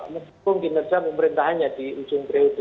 mungkin terjangun pemerintahannya di ujung periode